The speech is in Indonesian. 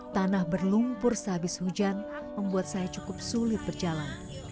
tanah berlumpur sehabis hujan membuat saya cukup sulit berjalan